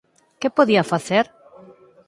¿Que podía facer?